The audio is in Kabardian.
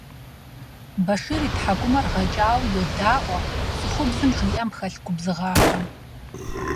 Башир и тхьэкӀумэр гъэкӀауэ йодаӀуэ цӀыхубзым жиӀэм хэлъ губзыгъагъэм.